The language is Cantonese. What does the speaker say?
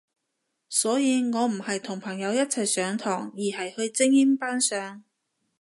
所以我唔係同朋友一齊上堂，而係去精英班上